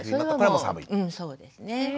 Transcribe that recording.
うんそうですね。